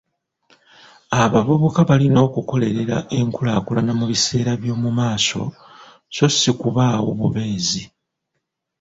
Abavubuka balina okukolerera enkulaakulana mubiseera by'omu maaso so ssi kubaawo bubeezi.